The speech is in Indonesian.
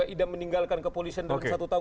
ida meninggalkan kepolisian dalam satu tahun